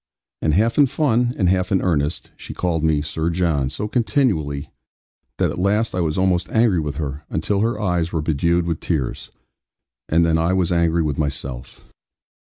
And half in fun, and half in earnest, she called me 'Sir John' so continually, that at last I was almost angry with her; until her eyes were bedewed with tears; and then I was angry with myself.